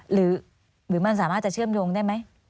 หรือมันสามารถจะเชื่อมโยงได้ไหม